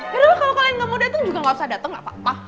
yaudah lah kalo kalian ga mau dateng juga ga usah dateng gapapa